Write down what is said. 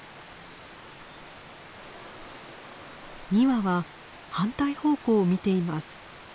２羽は反対方向を見ています。